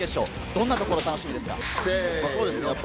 どんなところが楽しみですか？